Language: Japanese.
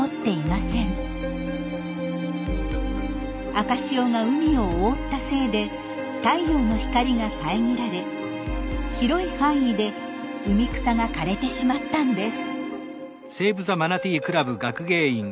赤潮が海を覆ったせいで太陽の光が遮られ広い範囲で海草が枯れてしまったんです。